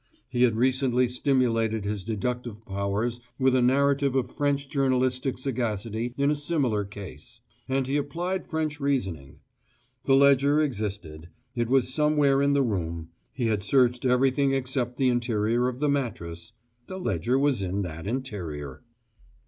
He had recently stimulated his deductive powers with a narrative of French journalistic sagacity in a similar case; and he applied French reasoning. The ledger existed. It was somewhere in the room. He had searched everything except the interior of the mattress. The ledger was in that interior.